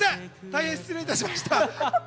大変失礼いたしました。